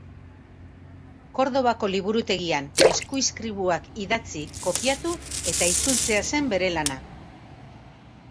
Kordobako liburutegian eskuizkribuak idatzi, kopiatu eta itzultzea zen bere lana.